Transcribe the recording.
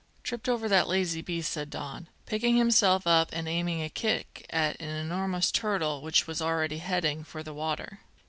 "Tripped over that lazy beast," said Don, picking himself up and aiming a kick at an enormous turtle which was already heading for the water.